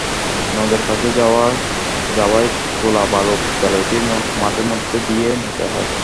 নদের কাছে হওয়ায় তোলা বালু বিদ্যালয়টির মাঠের মধ্য দিয়ে নিতে হয়।